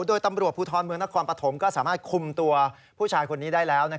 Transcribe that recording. โดยตำรวจภูทรเมืองนครปฐมก็สามารถคุมตัวผู้ชายคนนี้ได้แล้ว